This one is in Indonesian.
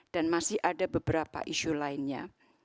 dan masih ada beberapa isu lainnya